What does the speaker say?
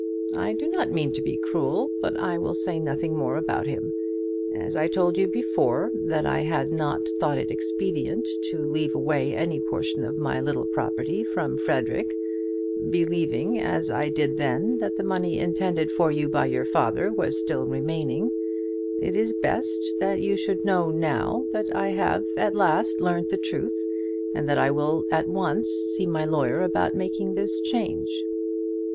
"I do not mean to be cruel, but I will say nothing more about him. As I told you before, that I had not thought it expedient to leave away any portion of my little property from Frederic, believing as I did then, that the money intended for you by your father was still remaining, it is best that you should now know that I have at last learnt the truth, and that I will at once see my lawyer about making this change."